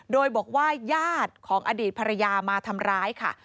โดยบอกว่าญาติของอดีตภรรยามาทำร้ายค่ะ